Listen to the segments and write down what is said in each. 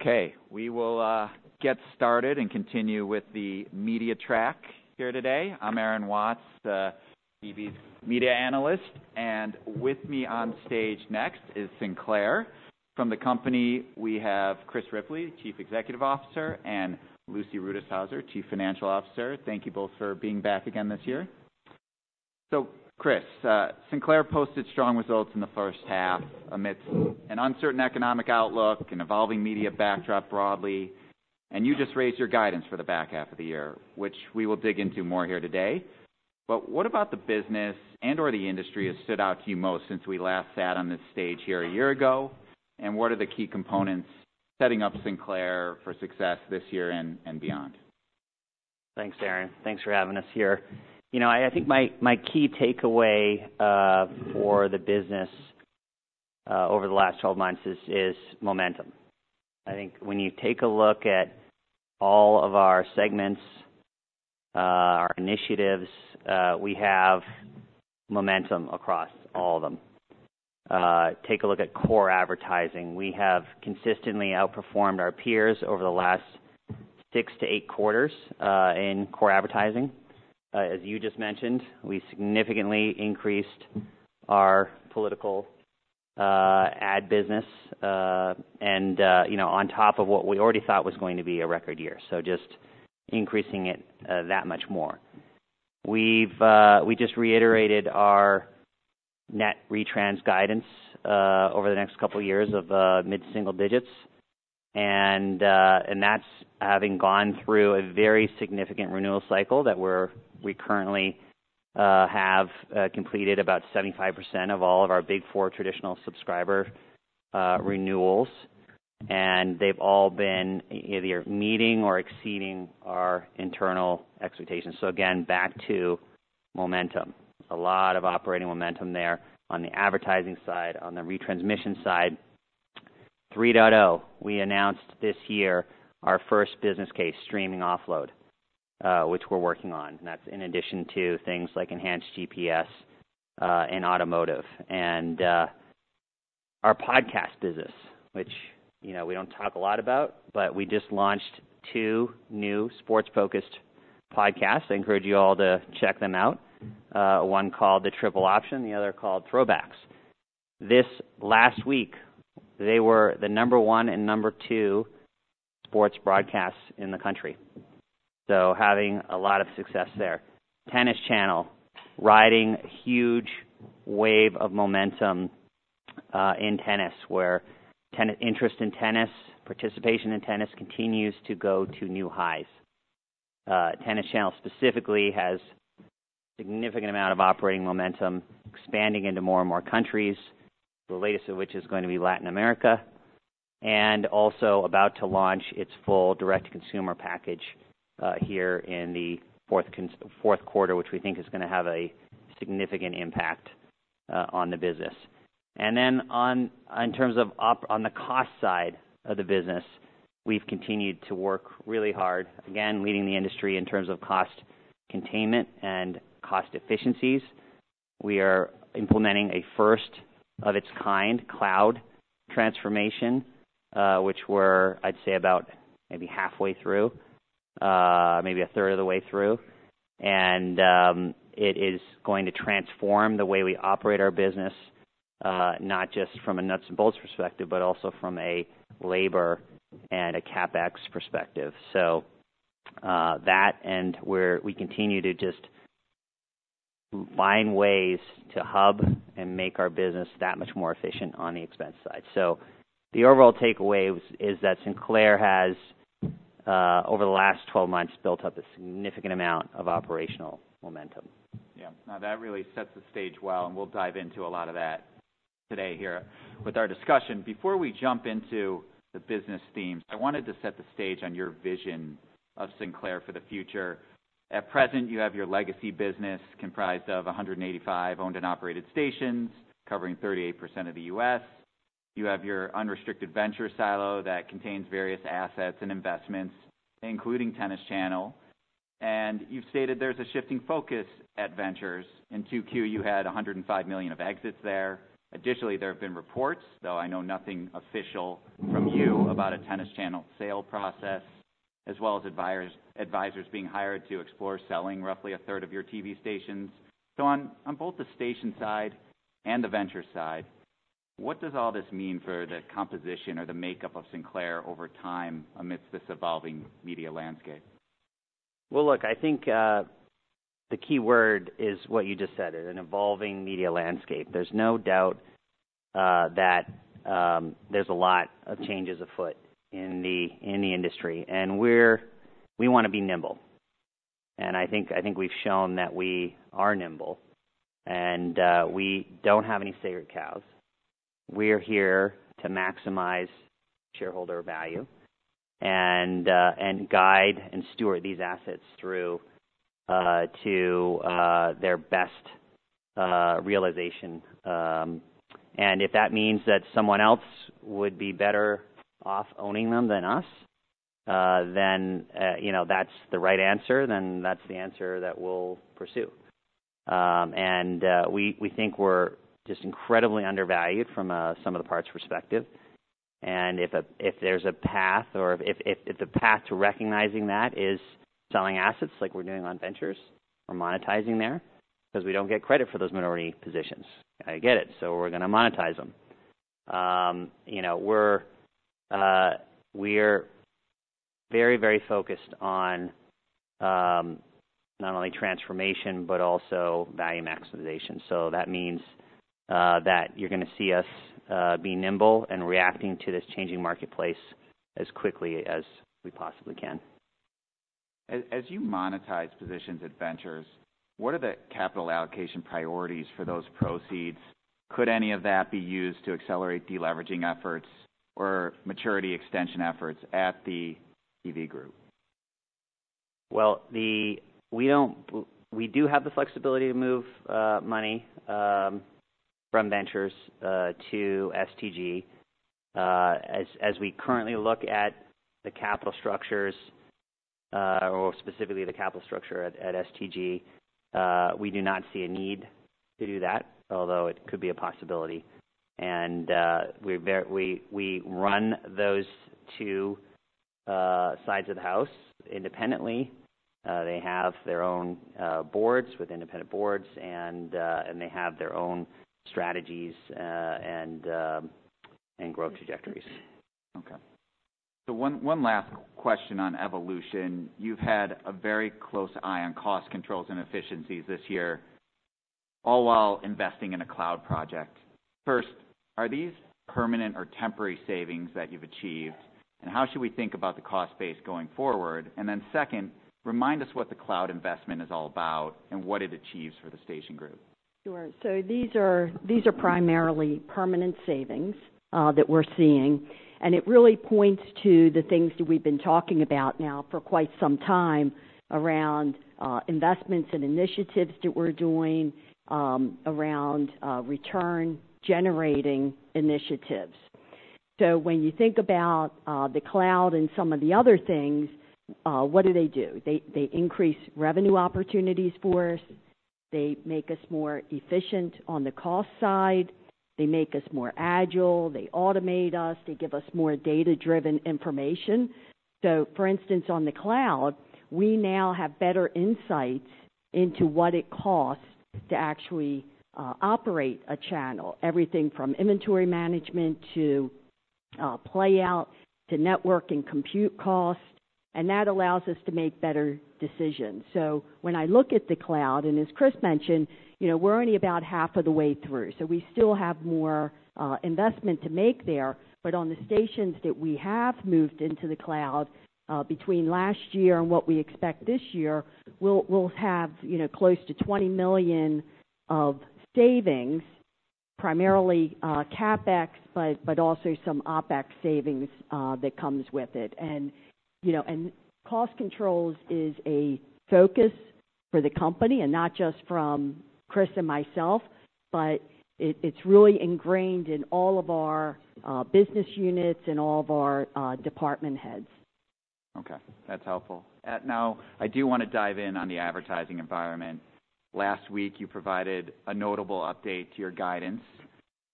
Okay, we will get started and continue with the media track here today. I'm Aaron Watts, the Bloomberg's media analyst, and with me on stage next is Sinclair. From the company, we have Chris Ripley, Chief Executive Officer, and Lucy Rutishauser, Chief Financial Officer. Thank you both for being back again this year. So Chris, Sinclair posted strong results in the first half amidst an uncertain economic outlook, an evolving media backdrop broadly, and you just raised your guidance for the back half of the year, which we will dig into more here today. But what about the business and/or the industry has stood out to you most since we last sat on this stage here a year ago? And what are the key components setting up Sinclair for success this year and, and beyond? Thanks, Aaron. Thanks for having us here. You know, I think my key takeaway for the business over the last 12 months is momentum. I think when you take a look at all of our segments, our initiatives, we have momentum across all of them. Take a look at core advertising. We have consistently outperformed our peers over the last six to eight quarters in core advertising. As you just mentioned, we significantly increased our political ad business, and you know, on top of what we already thought was going to be a record year, so just increasing it that much more. We've just reiterated our net retrans guidance over the next couple of years of mid-single digits. That's having gone through a very significant renewal cycle that we currently have completed about 75% of all of our Big Four traditional subscriber renewals, and they've all been either meeting or exceeding our internal expectations. So again, back to momentum. A lot of operating momentum there on the advertising side, on the retransmission side. 3.0, we announced this year our first business case, streaming offload, which we're working on, and that's in addition to things like enhanced GPS, and automotive. Our podcast business, which, you know, we don't talk a lot about, but we just launched two new sports-focused podcasts. I encourage you all to check them out. One called The Triple Option, the other called Throwbacks. This last week, they were the number one and number two sports broadcasts in the country. So having a lot of success there. Tennis Channel, riding a huge wave of momentum, in tennis, where tennis interest in tennis, participation in tennis continues to go to new highs. Tennis Channel specifically has significant amount of operating momentum, expanding into more and more countries, the latest of which is going to be Latin America, and also about to launch its full direct-to-consumer package, here in the Q4, which we think is going to have a significant impact, on the business. And then on, in terms of OpEx on the cost side of the business, we've continued to work really hard, again, leading the industry in terms of cost containment and cost efficiencies. We are implementing a first-of-its-kind cloud transformation, which we're, I'd say, about maybe halfway through, maybe a third of the way through. It is going to transform the way we operate our business, not just from a nuts and bolts perspective, but also from a labor and a CapEx perspective. That and we continue to just find ways to hub and make our business that much more efficient on the expense side. The overall takeaway is that Sinclair has, over the last twelve months, built up a significant amount of operational momentum. Yeah. Now, that really sets the stage well, and we'll dive into a lot of that today here with our discussion. Before we jump into the business themes, I wanted to set the stage on your vision of Sinclair for the future. At present, you have your legacy business comprised of 185 owned and operated stations, covering 38% of the U.S. You have your unrestricted venture silo that contains various assets and investments, including Tennis Channel. And you've stated there's a shifting focus at Ventures. In Q2, you had 105 million of exits there. Additionally, there have been reports, though I know nothing official from you, about a Tennis Channel sale process, as well as advisors being hired to explore selling roughly a third of your TV stations. So on both the station side and the venture side, what does all this mean for the composition or the makeup of Sinclair over time amidst this evolving media landscape? Well, look, I think the key word is what you just said, is an evolving media landscape. There's no doubt that there's a lot of changes afoot in the industry, and we wanna be nimble. And I think we've shown that we are nimble and we don't have any sacred cows. We're here to maximize shareholder value and guide and steward these assets through to their best realization, and if that means that someone else would be better off owning them than us, then you know, that's the right answer, then that's the answer that we'll pursue. And we think we're just incredibly undervalued from some of the parts perspective. If there's a path or if the path to recognizing that is selling assets like we're doing on ventures or monetizing there, because we don't get credit for those minority positions. I get it, so we're gonna monetize them. You know, we're very, very focused on not only transformation, but also value maximization. So that means that you're gonna see us be nimble and reacting to this changing marketplace as quickly as we possibly can. As you monetize positions at ventures, what are the capital allocation priorities for those proceeds? Could any of that be used to accelerate deleveraging efforts or maturity extension efforts at the EV group? We do have the flexibility to move money from ventures to STG. As we currently look at the capital structures, or specifically the capital structure at STG, we do not see a need to do that, although it could be a possibility. And we run those two sides of the house independently. They have their own boards, with independent boards, and they have their own strategies, and growth trajectories. Okay, so one last question on evolution. You've had a very close eye on cost controls and efficiencies this year, all while investing in a cloud project. First, are these permanent or temporary savings that you've achieved? And how should we think about the cost base going forward? And then second, remind us what the cloud investment is all about and what it achieves for the station group. Sure. So these are, these are primarily permanent savings that we're seeing, and it really points to the things that we've been talking about now for quite some time around investments and initiatives that we're doing around return-generating initiatives. So when you think about the cloud and some of the other things, what do they do? They, they increase revenue opportunities for us. They make us more efficient on the cost side. They make us more agile, they automate us, they give us more data-driven information. So for instance, on the cloud, we now have better insights into what it costs to actually operate a channel. Everything from inventory management to playout to network and compute costs, and that allows us to make better decisions. So when I look at the cloud, and as Chris mentioned, you know, we're only about half of the way through, so we still have more investment to make there. But on the stations that we have moved into the cloud, between last year and what we expect this year, we'll have, you know, close to $20 million of savings, primarily CapEx, but also some OpEx savings that comes with it. And, you know, and cost controls is a focus for the company, and not just from Chris and myself, but it, it's really ingrained in all of our business units and all of our department heads. Okay, that's helpful. Now, I do wanna dive in on the advertising environment. Last week, you provided a notable update to your guidance,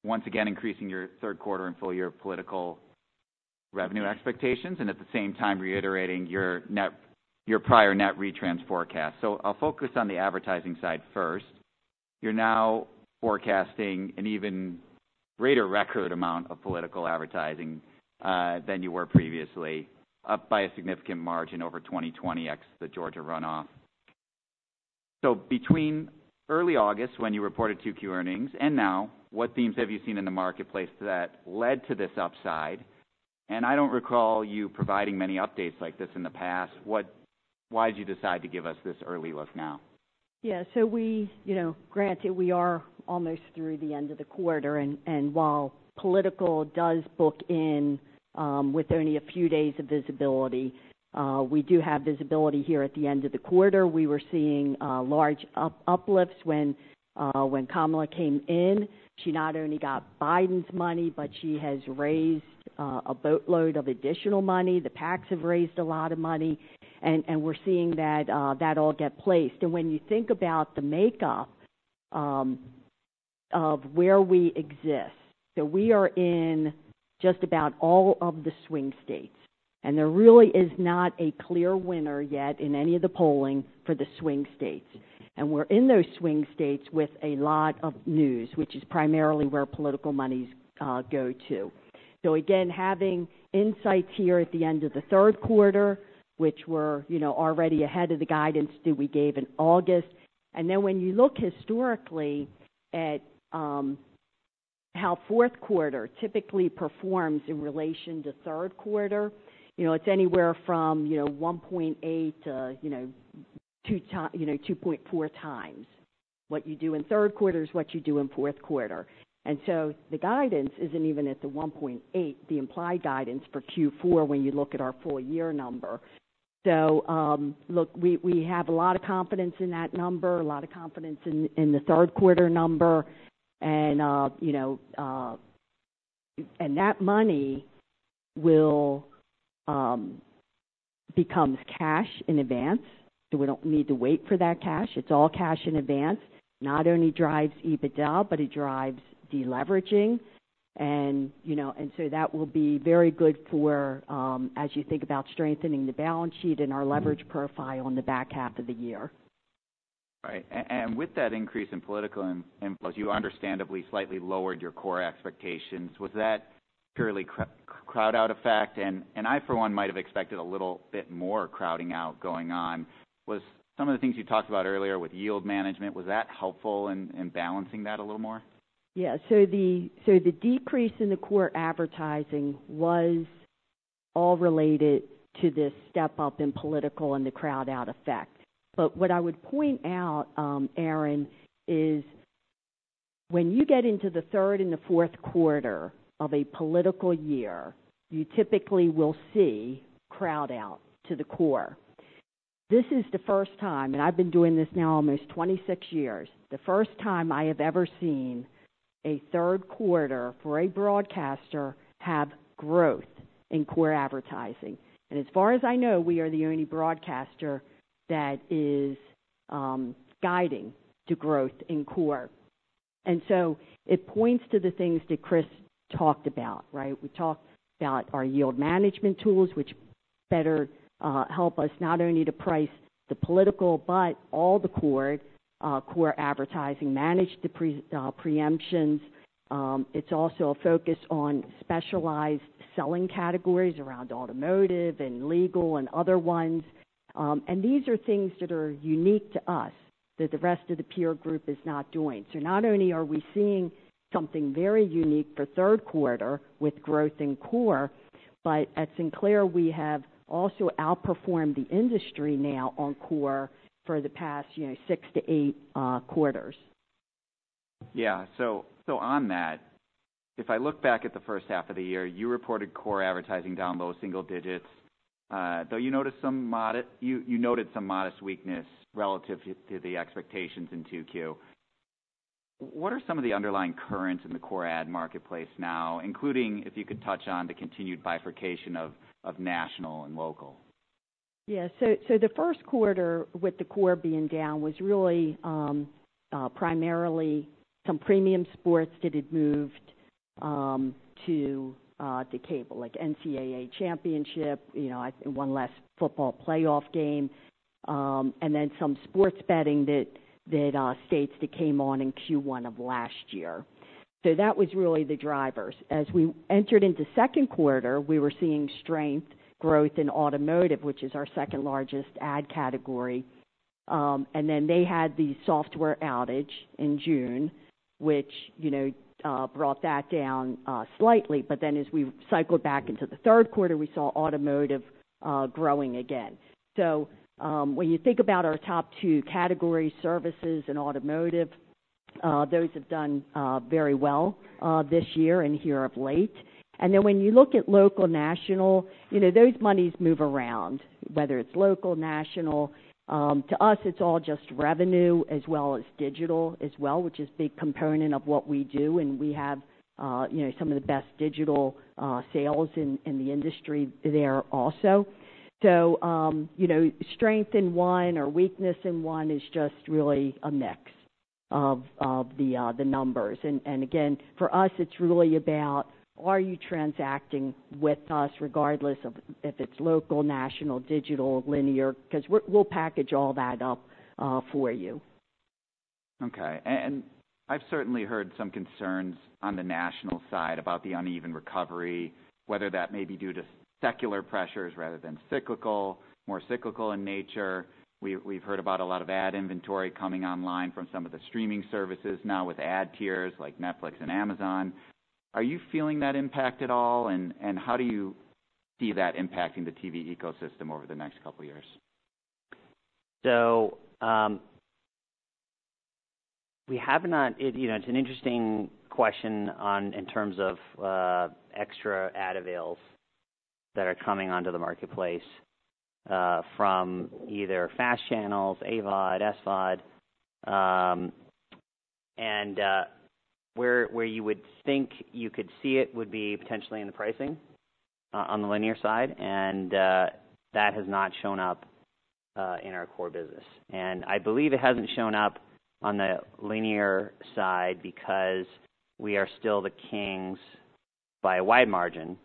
once again, increasing your Q3 and full year political revenue expectations, and at the same time reiterating your prior net retrans forecast. So I'll focus on the advertising side first. You're now forecasting an even greater record amount of political advertising than you were previously, up by a significant margin over 2020, the Georgia runoff. So between early August, when you reported 2Q earnings and now, what themes have you seen in the marketplace that led to this upside? And I don't recall you providing many updates like this in the past. Why did you decide to give us this early look now? Yeah, so we, you know, granted, we are almost through the end of the quarter, and while political does book in with only a few days of visibility, we do have visibility here at the end of the quarter. We were seeing large uplifts when Kamala came in. She not only got Biden's money, but she has raised a boatload of additional money. The PACs have raised a lot of money, and we're seeing that all get placed. And when you think about the makeup of where we exist, so we are in just about all of the swing states, and there really is not a clear winner yet in any of the polling for the swing states. And we're in those swing states with a lot of news, which is primarily where political monies go to. So again, having insights here at the end of the Q3, which we're, you know, already ahead of the guidance that we gave in August. And then when you look historically at how Q4 typically performs in relation to Q3, you know, it's anywhere from, you know, one point eight to, you know, two time, you know, two point four times. What you do in Q3 is what you do in Q4. And so the guidance isn't even at the one point eight, the implied guidance for Q4 when you look at our full year number. So look, we have a lot of confidence in that number, a lot of confidence in the Q3 number. And you know, and that money will becomes cash in advance. So we don't need to wait for that cash. It's all cash in advance. Not only drives EBITDA, but it drives deleveraging. And, you know, and so that will be very good for, as you think about strengthening the balance sheet and our leverage profile on the back half of the year. Right. And with that increase in political influence, you understandably slightly lowered your core expectations. Was that purely crowd out effect? And I, for one, might have expected a little bit more crowding out going on. Was some of the things you talked about earlier with yield management, was that helpful in balancing that a little more? Yeah. So the decrease in the core advertising was all related to this step up in political and the crowd out effect. But what I would point out, Aaron, is when you get into the third and the Q4 of a political year, you typically will see crowd out to the core. This is the first time, and I've been doing this now almost 26 years, the first time I have ever seen a Q3 for a broadcaster have growth in core advertising. And as far as I know, we are the only broadcaster that is guiding to growth in core. And so it points to the things that Chris talked about, right? We talked about our yield management tools, which better help us not only to price the political, but all the core advertising, manage the preemptions. It's also a focus on specialized selling categories around automotive and legal and other ones. And these are things that are unique to us, that the rest of the peer group is not doing. So not only are we seeing something very unique for Q3 with growth in core, but at Sinclair, we have also outperformed the industry now on core for the past, you know, six to eight quarters. Yeah. So on that, if I look back at the first half of the year, you reported core advertising down low single digits. Though you noted some modest weakness relative to the expectations in 2Q. What are some of the underlying currents in the core ad marketplace now, including, if you could touch on the continued bifurcation of national and local? Yeah. So the first quarter with the core being down was really primarily some premium sports that had moved to the cable, like NCAA Championship, you know, I think one less football playoff game, and then some sports betting that states that came on in Q1 of last year. So that was really the drivers. As we entered into Q2, we were seeing strength, growth in automotive, which is our second largest ad category. And then they had the software outage in June, which, you know, brought that down slightly. But then as we cycled back into the Q3, we saw automotive growing again. So when you think about our top two category, services and automotive, those have done very well this year and here of late. And then when you look at local, national, you know, those monies move around, whether it's local, national. To us, it's all just revenue as well as digital as well, which is a big component of what we do, and we have, you know, some of the best digital sales in the industry there also. So, you know, strength in one or weakness in one is just really a mix of the numbers. And again, for us, it's really about are you transacting with us regardless of if it's local, national, digital, linear? 'Cause we'll package all that up for you. Okay. And I've certainly heard some concerns on the national side about the uneven recovery, whether that may be due to secular pressures rather than cyclical, more cyclical in nature. We've heard about a lot of ad inventory coming online from some of the streaming services now with ad tiers like Netflix and Amazon. Are you feeling that impact at all? And how do you see that impacting the TV ecosystem over the next couple of years? So we have not. It, you know, it's an interesting question on, in terms of, extra ad avails that are coming onto the marketplace, from either FAST channels, AVOD, SVOD. And where you would think you could see it would be potentially in the pricing, on the linear side, and that has not shown up in our core business. And I believe it hasn't shown up on the linear side because we are still the kings by a wide margin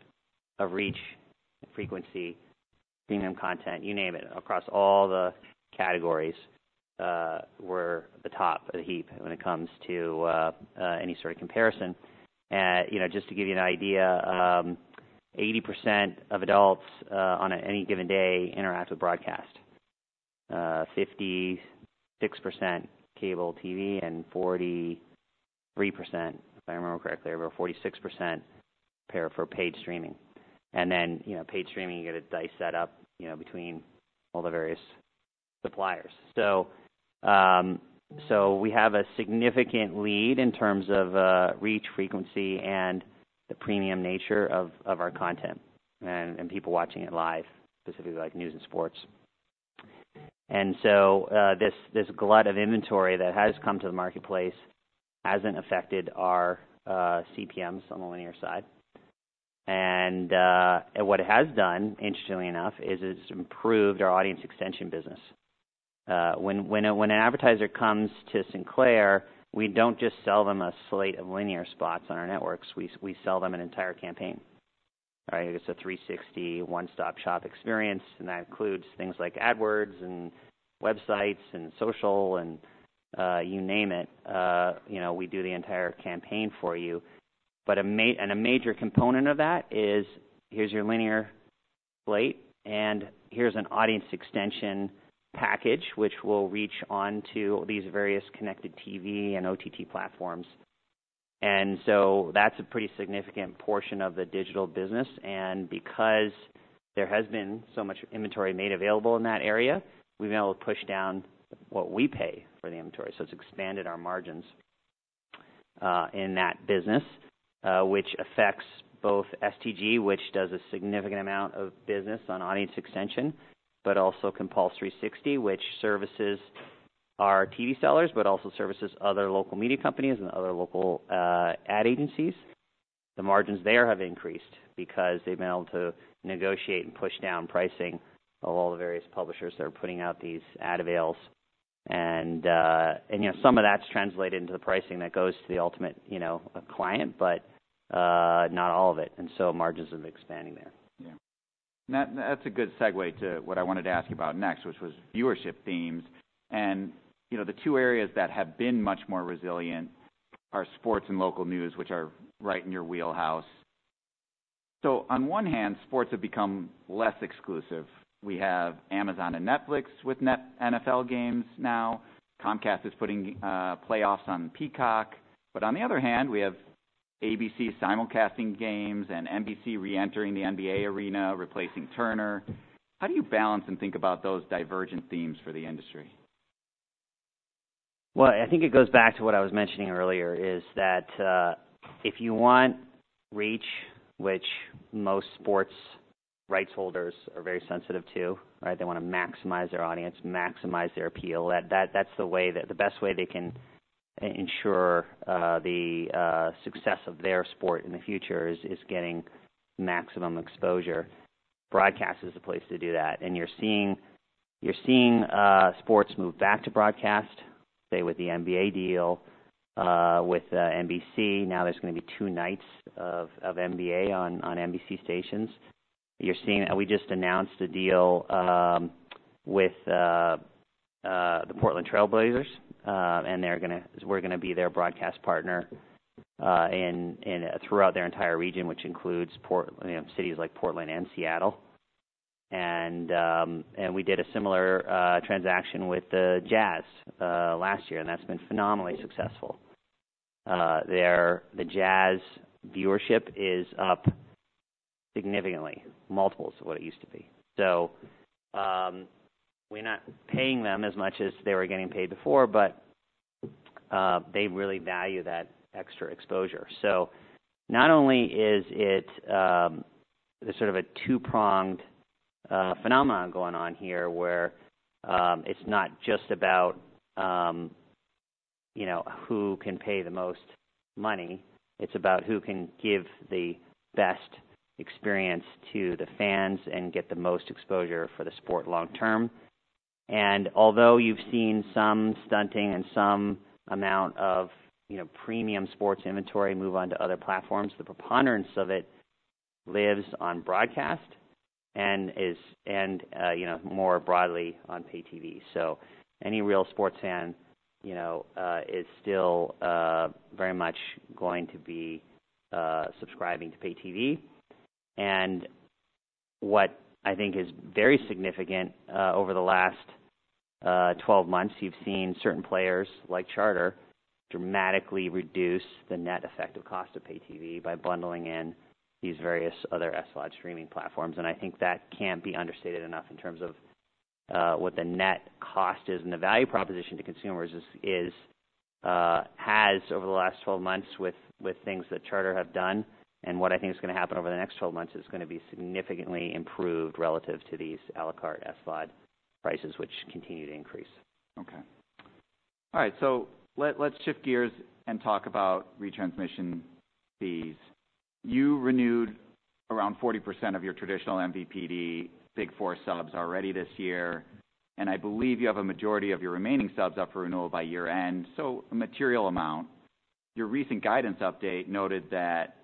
of reach, frequency, premium content, you name it, across all the categories, we're the top of the heap when it comes to any sort of comparison. You know, just to give you an idea, 80% of adults, on any given day, interact with broadcast, 56% cable TV, and 43%, if I remember correctly, or 46%, pay for paid streaming. And then, you know, paid streaming, you get to dice that up, you know, between all the various suppliers. So, we have a significant lead in terms of reach, frequency, and the premium nature of our content and people watching it live, specifically like news and sports. And so, this glut of inventory that has come to the marketplace hasn't affected our CPMs on the linear side. And what it has done, interestingly enough, is it's improved our audience extension business. When an advertiser comes to Sinclair, we don't just sell them a slate of linear spots on our networks, we sell them an entire campaign. All right? It's a three sixty, one-stop-shop experience, and that includes things like AdWords and websites and social and, you name it, you know, we do the entire campaign for you. But a major component of that is, here's your linear slate, and here's an audience extension package, which will reach onto these various connected TV and OTT platforms. And so that's a pretty significant portion of the digital business, and because there has been so much inventory made available in that area, we've been able to push down what we pay for the inventory. So it's expanded our margins in that business, which affects both STG, which does a significant amount of business on audience extension, but also Compulse 360, which services our TV sellers, but also services other local media companies and other local ad agencies. The margins there have increased because they've been able to negotiate and push down pricing of all the various publishers that are putting out these ad avails. And, you know, some of that's translated into the pricing that goes to the ultimate, you know, client, but, not all of it, and so margins have been expanding there. Yeah. And that, that's a good segue to what I wanted to ask you about next, which was viewership themes. And, you know, the two areas that have been much more resilient are sports and local news, which are right in your wheelhouse. So on one hand, sports have become less exclusive. We have Amazon and Netflix with NFL games now. Comcast is putting playoffs on Peacock. But on the other hand, we have ABC simulcasting games and NBC reentering the NBA arena, replacing Turner. How do you balance and think about those divergent themes for the industry? I think it goes back to what I was mentioning earlier, is that, if you want reach, which most sports rights holders are very sensitive to, right? They want to maximize their audience, maximize their appeal. That, that's the way that the best way they can ensure the success of their sport in the future, is getting maximum exposure. Broadcast is the place to do that, and you're seeing sports move back to broadcast, say, with the NBA deal with NBC. Now there's gonna be two nights of NBA on NBC stations. You're seeing. We just announced a deal with the Portland Trail Blazers, and they're gonna- we're gonna be their broadcast partner throughout their entire region, which includes you know, cities like Portland and Seattle. We did a similar transaction with the Jazz last year, and that's been phenomenally successful. The Jazz viewership is up significantly, multiples of what it used to be. So, we're not paying them as much as they were getting paid before, but they really value that extra exposure. So not only is it, there's sort of a two-pronged phenomenon going on here, where it's not just about, you know, who can pay the most money, it's about who can give the best experience to the fans and get the most exposure for the sport long term. Although you've seen some stunting and some amount of, you know, premium sports inventory move on to other platforms, the preponderance of it lives on broadcast and is, you know, more broadly on pay TV. So any real sports fan, you know, is still, very much going to be, subscribing to pay TV. And what I think is very significant, over the last, twelve months, you've seen certain players, like Charter, dramatically reduce the net effective cost of pay TV by bundling in these various other SVOD streaming platforms. And I think that can't be understated enough in terms of, what the net cost is and the value proposition to consumers is, has over the last twelve months with things that Charter have done. And what I think is gonna happen over the 12 months is gonna be significantly improved relative to these à la carte SVOD prices, which continue to increase. Okay. All right, so let's shift gears and talk about retransmission fees. You renewed around 40% of your traditional MVPD, big four subs already this year, and I believe you have a majority of your remaining subs up for renewal by year-end, so a material amount. Your recent guidance update noted that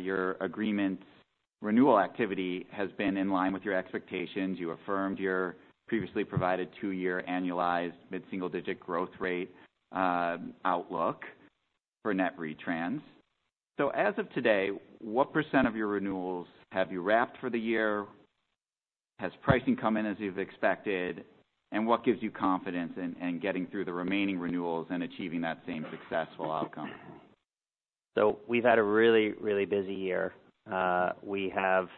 your agreements renewal activity has been in line with your expectations. You affirmed your previously provided two-year annualized mid-single-digit growth rate outlook for net retrans. So as of today, what % of your renewals have you wrapped for the year? Has pricing come in as you've expected? And what gives you confidence in getting through the remaining renewals and achieving that same successful outcome?... So we've had a really, really busy year. We have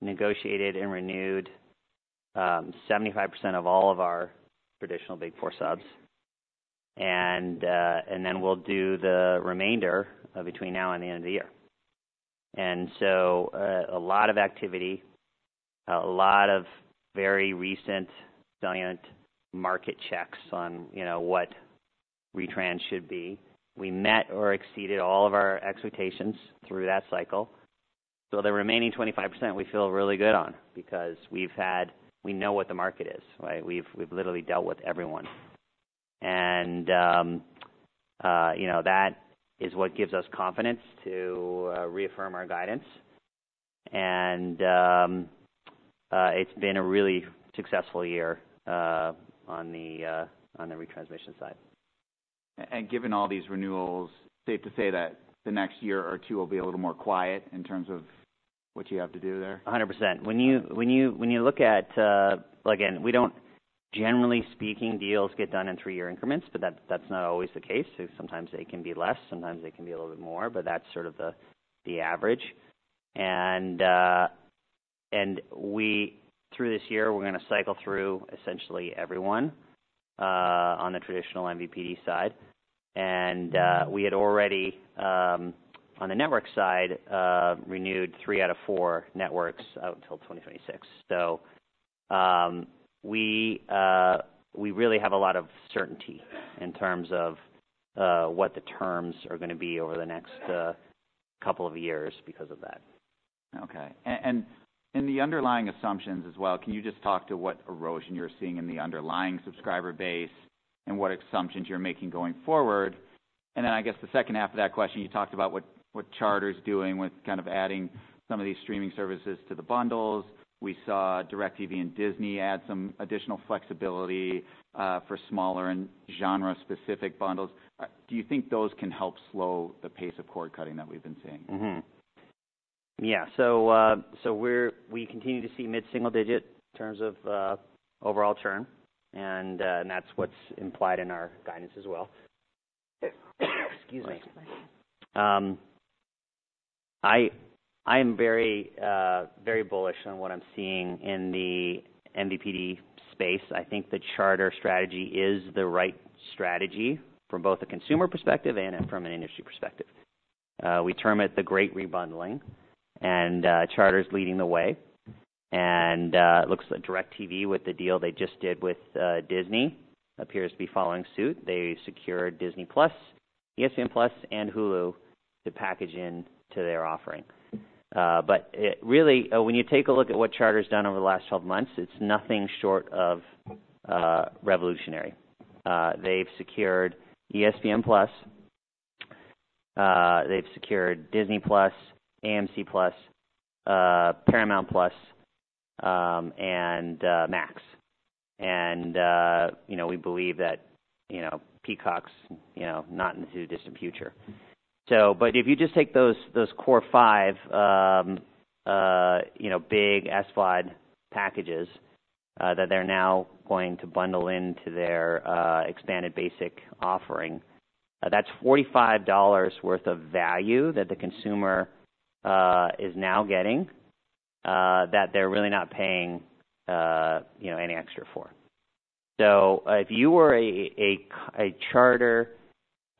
negotiated and renewed 75% of all of our traditional big four subs. And then we'll do the remainder between now and the end of the year. And so, a lot of activity, a lot of very recent viable market checks on, you know, what retrans should be. We met or exceeded all of our expectations through that cycle. So the remaining 25%, we feel really good on because we've had, we know what the market is, right? We've literally dealt with everyone. And, you know, that is what gives us confidence to reaffirm our guidance. And, it's been a really successful year on the retransmission side. And given all these renewals, safe to say that the next year or two will be a little more quiet in terms of what you have to do there? 100%. When you look at... Again, we don't generally speaking, deals get done in three-year increments, but that, that's not always the case. So sometimes they can be less, sometimes they can be a little bit more, but that's sort of the average. And we, through this year, we're gonna cycle through essentially everyone on the traditional MVPD side. And we had already on the network side renewed three out of four networks out until 2026. So we really have a lot of certainty in terms of what the terms are gonna be over the next couple of years because of that. Okay. And, and in the underlying assumptions as well, can you just talk to what erosion you're seeing in the underlying subscriber base and what assumptions you're making going forward? And then I guess the second half of that question, you talked about what, what Charter's doing with kind of adding some of these streaming services to the bundles. We saw DIRECTV and Disney add some additional flexibility, for smaller and genre-specific bundles. Do you think those can help slow the pace of cord cutting that we've been seeing? Mm-hmm. Yeah. So we continue to see mid-single digit in terms of overall churn, and that's what's implied in our guidance as well. Excuse me. I'm very very bullish on what I'm seeing in the MVPD space. I think the Charter strategy is the right strategy from both a consumer perspective and from an industry perspective. We term it the great rebundling, and Charter is leading the way. And it looks like DIRECTV, with the deal they just did with Disney, appears to be following suit. They secured Disney+, ESPN+, and Hulu to package in to their offering. But it really, when you take a look at what Charter's done over the last 12 months, it's nothing short of revolutionary. They've secured ESPN+, they've secured Disney+, AMC+, Paramount+, and Max. And, you know, we believe that, you know, Peacock's, you know, not in the too distant future. So, but if you just take those core five, you know, big SVOD packages that they're now going to bundle into their expanded basic offering, that's $45 worth of value that the consumer is now getting that they're really not paying, you know, any extra for. So if you were a Charter,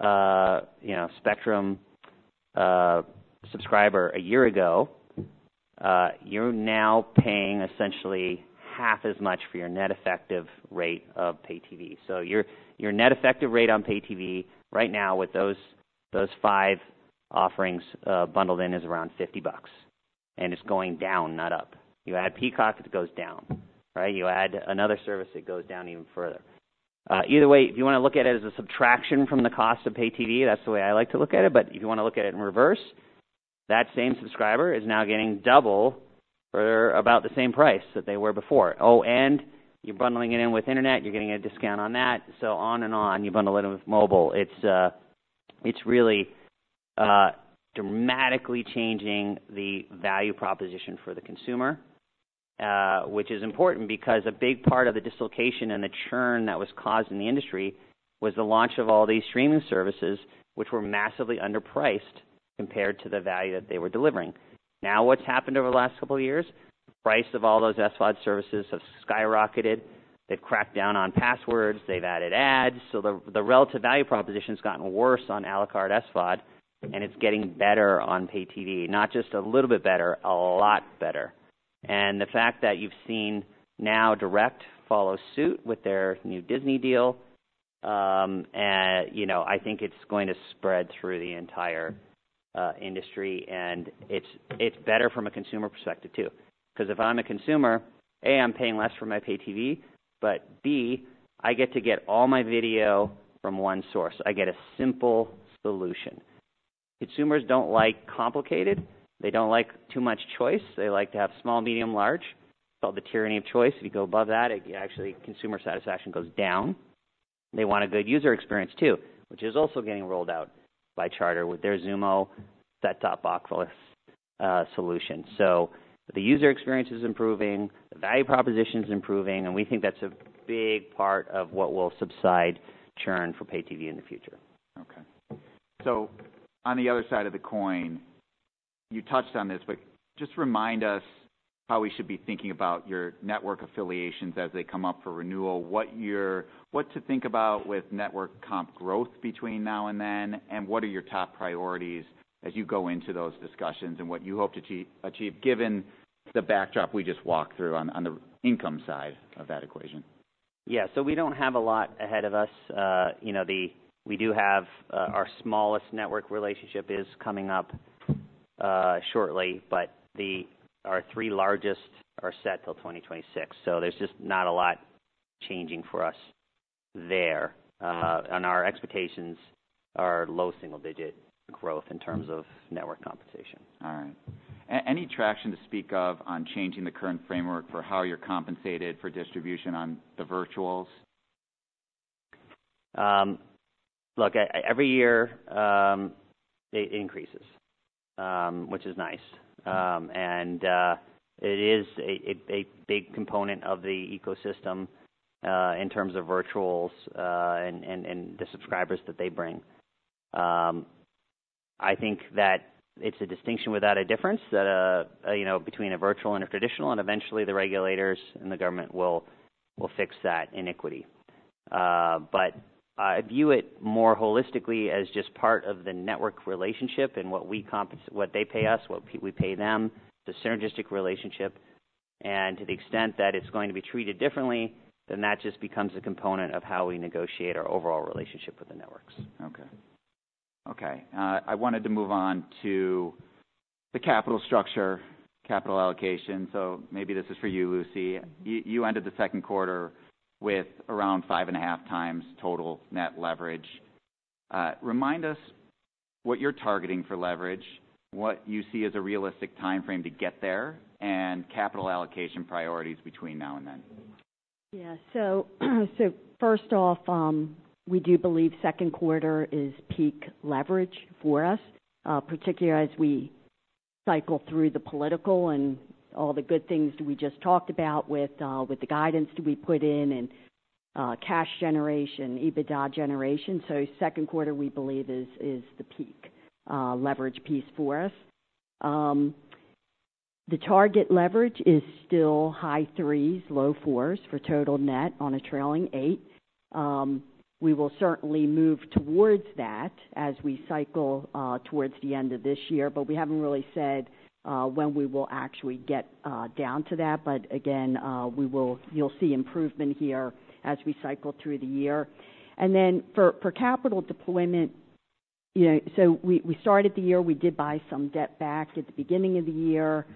you know, Spectrum subscriber a year ago, you're now paying essentially half as much for your net effective rate of pay TV. So your net effective rate on pay TV right now with those five offerings bundled in is around $50, and it's going down, not up. You add Peacock, it goes down, right? You add another service, it goes down even further. Either way, if you wanna look at it as a subtraction from the cost of pay TV, that's the way I like to look at it. But if you wanna look at it in reverse, that same subscriber is now getting double for about the same price that they were before. Oh, and you're bundling it in with internet, you're getting a discount on that. So on and on, you bundle it in with mobile. It's really dramatically changing the value proposition for the consumer, which is important because a big part of the dislocation and the churn that was caused in the industry was the launch of all these streaming services, which were massively underpriced compared to the value that they were delivering. Now, what's happened over the last couple of years? The price of all those SVOD services have skyrocketed. They've cracked down on passwords. They've added ads. So the relative value proposition has gotten worse on a la carte SVOD, and it's getting better on pay TV. Not just a little bit better, a lot better. And the fact that you've seen now DIRECTV follow suit with their new Disney deal, you know, I think it's going to spread through the entire industry, and it's better from a consumer perspective, too. 'Cause if I'm a consumer, A, I'm paying less for my pay TV, but B, I get to get all my video from one source. I get a simple solution. Consumers don't like complicated. They don't like too much choice. They like to have small, medium, large. It's called the tyranny of choice. If you go above that, it actually, consumer satisfaction goes down. They want a good user experience, too, which is also getting rolled out by Charter with their Xumo set-top box solution. So the user experience is improving, the value proposition is improving, and we think that's a big part of what will subside churn for pay TV in the future. Okay. So on the other side of the coin, you touched on this, but just remind us how we should be thinking about your network affiliations as they come up for renewal. What you're—what to think about with network comp growth between now and then, and what are your top priorities as you go into those discussions and what you hope to achieve, given the backdrop we just walked through on the income side of that equation? Yeah. So we don't have a lot ahead of us. You know, we do have our smallest network relationship coming up shortly, but our three largest are set till twenty twenty-six, so there's just not a lot changing for us there. And our expectations are low single digit growth in terms of network compensation. All right. Any traction to speak of on changing the current framework for how you're compensated for distribution on the virtuals? Look, every year it increases, which is nice. And it is a big component of the ecosystem in terms of virtuals and the subscribers that they bring. I think that it's a distinction without a difference, you know, between a virtual and a traditional, and eventually the regulators and the government will fix that inequity. But I view it more holistically as just part of the network relationship and what they pay us, what we pay them. It's a synergistic relationship. To the extent that it's going to be treated differently, then that just becomes a component of how we negotiate our overall relationship with the networks. Okay, I wanted to move on to the capital structure, capital allocation, so maybe this is for you, Lucy. You ended the Q2 with around five and a half times total net leverage. Remind us what you're targeting for leverage, what you see as a realistic timeframe to get there, and capital allocation priorities between now and then. Yeah. So first off, we do believe Q2 is peak leverage for us, particularly as we cycle through the political and all the good things that we just talked about with the guidance that we put in and cash generation, EBITDA generation. So Q2, we believe, is the peak leverage piece for us. The target leverage is still high threes, low fours for total net on a trailing eight. We will certainly move towards that as we cycle towards the end of this year, but we haven't really said when we will actually get down to that. But again, we will... You'll see improvement here as we cycle through the year. And then for capital deployment, you know, so we started the year, we did buy some debt back at the beginning of the year.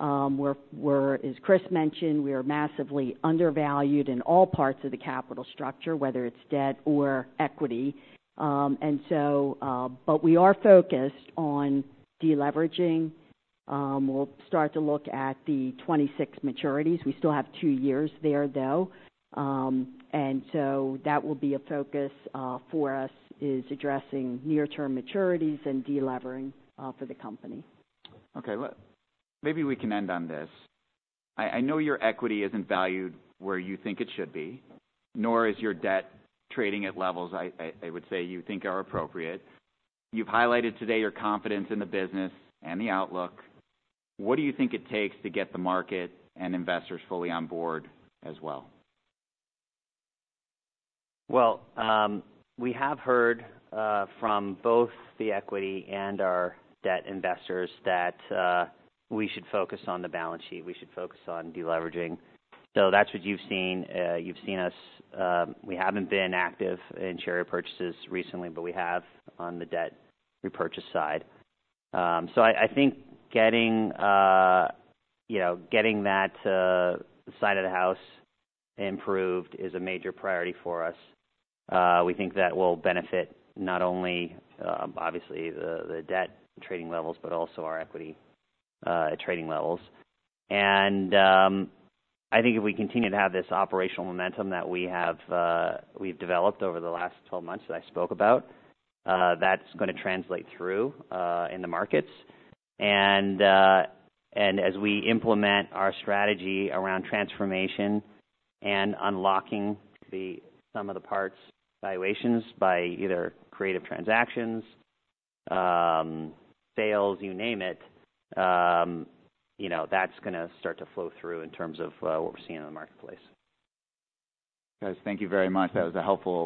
We're, as Chris mentioned, we are massively undervalued in all parts of the capital structure, whether it's debt or equity. And so, but we are focused on deleveraging. We'll start to look at the twenty-six maturities. We still have two years there, though. And so that will be a focus for us, is addressing near-term maturities and deleveraging for the company. Okay, well, maybe we can end on this. I know your equity isn't valued where you think it should be, nor is your debt trading at levels I would say you think are appropriate. You've highlighted today your confidence in the business and the outlook. What do you think it takes to get the market and investors fully on board as well? Well, we have heard from both the equity and our debt investors that we should focus on the balance sheet, we should focus on deleveraging. So that's what you've seen. You've seen us. We haven't been active in share purchases recently, but we have on the debt repurchase side. So I think, you know, getting that side of the house improved is a major priority for us. We think that will benefit not only obviously the debt trading levels, but also our equity trading levels. And I think if we continue to have this operational momentum that we have, we've developed over the last twelve months that I spoke about, that's gonna translate through in the markets. And as we implement our strategy around transformation and unlocking the sum of the parts valuations by either creative transactions, sales, you name it, you know, that's gonna start to flow through in terms of what we're seeing in the marketplace. Guys, thank you very much. That was a helpful-